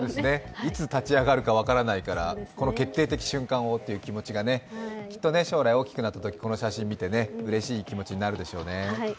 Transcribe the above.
いつ立ち上がるか分からないからこの決定的瞬間をという気持ちが、きっと将来大きくなったときこの写真を見てうれしい気持ちになるでしょうね。